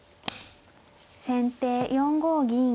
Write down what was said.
先手４五銀。